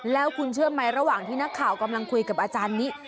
แล้วคุณเชื่อไหมระหว่างที่นักข่าวกำลังคุยกับอาจารย์นี้